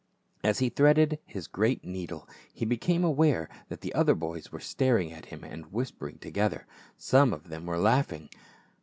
As he threaded his great needle he became aware that the other boys were staring at him and whispering to gether ; some of them were laughing.